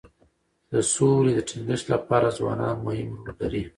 د سولي د ټینګښت لپاره ځوانان مهم رول لري.